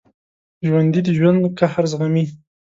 ژوندي د ژوند قهر زغمي